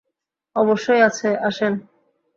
অবশ্যই আছে আসেন।